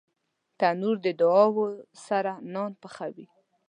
تنور د دعاوو سره نان پخوي